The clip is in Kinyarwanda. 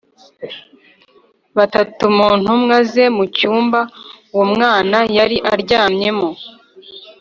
batatu mu ntumwa ze mu cyumba uwo mwana yari aryamyemo